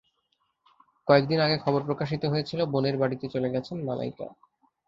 কয়েক দিন আগে খবর প্রকাশিত হয়েছিল বোনের বাড়িতে চলে গেছেন মালাইকা।